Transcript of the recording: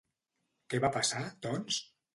Què va passar, doncs?